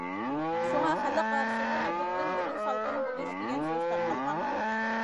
شۇڭا خەلق ئارىسىدا‹‹ تۇغۇتتىن بۇرۇن سالقىن بولۇش›› دېگەن سۆز تارقالغان.